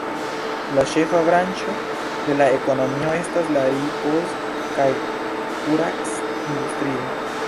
La ĉefa branĉo de la ekonomio estas la ripoz- kaj kurac-industrio.